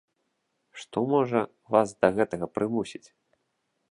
Што можа вас да гэтага прымусіць?